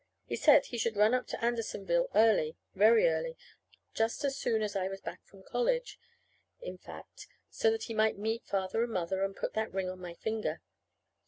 He said he should run up to Andersonville early very early; just as soon as I was back from college, in fact, so that he might meet Father and Mother, and put that ring on my finger.